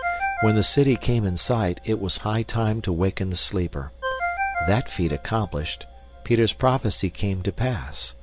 When the city came in sight, it was high time to waken the sleeper. That feat accomplished, Peter's prophecy came to pass.